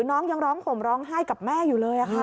น้องยังร้องห่มร้องไห้กับแม่อยู่เลยค่ะ